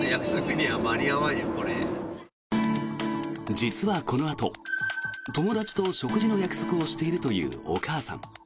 実はこのあと友達と食事の約束をしているというお母さん。